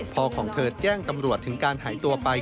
ของเธอแจ้งตำรวจถึงการหายตัวไป